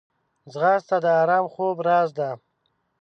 ځغاسته د ارام خوب راز ده